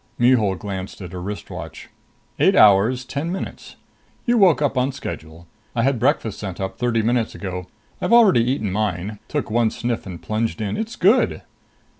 Mihul glanced at her wrist watch. "Eight hours, ten minutes. You woke up on schedule. I had breakfast sent up thirty minutes ago. I've already eaten mine took one sniff and plunged in. It's good!"